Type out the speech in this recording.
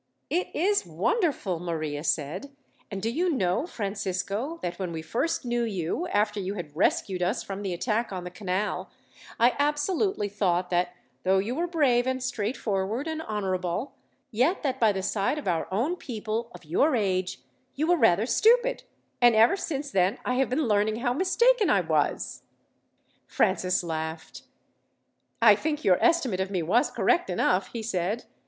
"It is wonderful," Maria said; "and do you know, Francisco, that when we first knew you, after you had rescued us from the attack on the canal, I absolutely thought that, though you were brave and straightforward and honourable, yet that by the side of our own people of your age, you were rather stupid, and ever since then I have been learning how mistaken I was." Francis laughed. "I think your estimate of me was correct enough," he said.